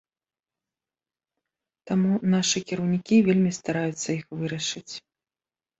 Таму нашы кіраўнікі вельмі стараюцца іх вырашыць.